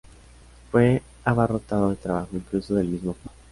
Fue abarrotado de trabajo, incluso del mismo papa.